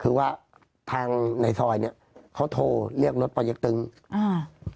คือว่าทางในซอยเนี้ยเขาโทรเรียกรถปอเต็กตึงอ่า